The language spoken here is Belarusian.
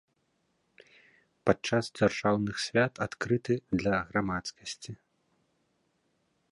Падчас дзяржаўных свят адкрыты для грамадскасці.